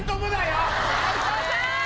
齋藤さん！